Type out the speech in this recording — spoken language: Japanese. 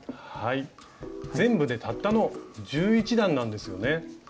全部でたったの１１段なんですよね。